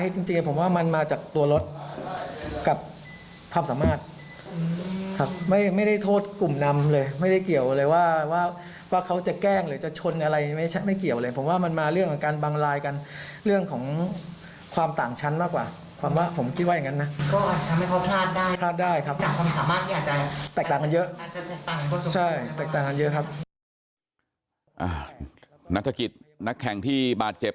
แตกต่างกันเยอะใช่แตกต่างกันเยอะครับอ่านักฐกิจนักแข่งที่บาดเจ็บ